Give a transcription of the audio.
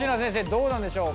どうなんでしょう